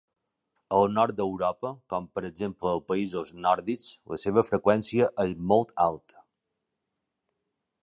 Al nord d'Europa, com per exemple als països nòrdics, la seva freqüència és molt alta.